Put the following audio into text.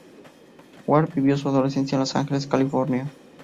Ward vivió su adolescencia en Los Ángeles, California.